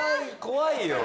怖いよ。